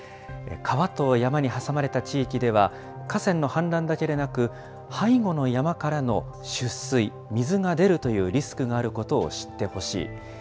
川と山に挟まれた地域では、河川の氾濫だけでなく、背後の山からの出水、水が出るというリスクがあることを知ってほしい。